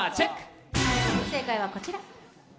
正解はこちら。